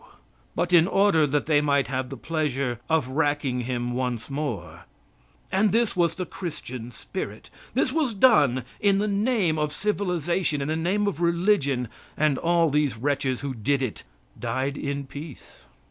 But in order that they might have the pleasure of racking him once more. And this was the Christian spirit. This was done in the name of civilization, in the name of religion, and all these wretches who did it died in peace.